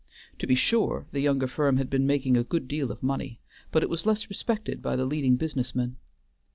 To be sure, the younger firm had been making a good deal of money, but it was less respected by the leading business men.